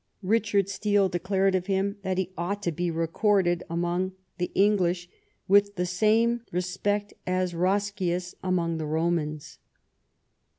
Richard Steele declared of him that he " ought to be recorded " among the English " with the same respect as Roscius among the Romans."